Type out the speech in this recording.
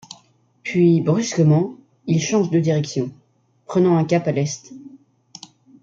Puis brusquement il change de direction, prenant un cap à l'est.